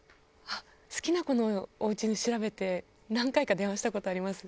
好きな子のおうちの調べて何回か電話した事あります